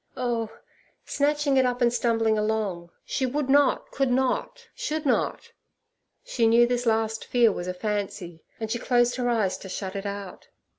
Oh!—snatching it up and stumbling along—she would not, could not, should not. She knew this last fear was a fancy, and she closed her eyes to shut it out.